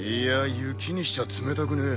雪にしちゃ冷たくねえ。